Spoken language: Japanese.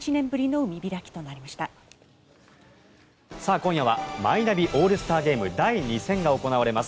今夜はマイナビオールスターゲーム第２戦が行われます。